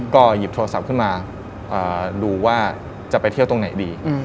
ก็หยิบโทรศัพท์ขึ้นมาดูว่าจะไปเที่ยวตรงไหนดี